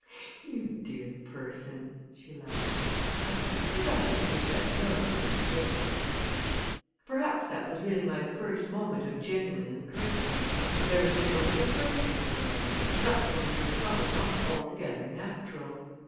"You dear person!" she laughed. "I can't be rushed into respectability like this." Perhaps that was really my first moment of genuine encouragement, for there had been a little break in her voice, something in her tone not altogether natural.